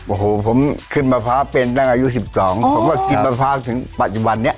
โอ้โหผมขึ้นมะพร้าวเป็นตั้งอายุสิบสองผมก็กินมะพร้าวถึงปัจจุบันนี้